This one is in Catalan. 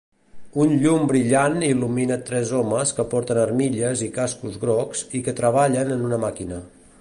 Un llum brillant il·lumina tres homes que porten armilles i cascos grocs, i que treballen en una màquina.